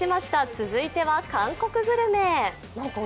続いては韓国グルメ。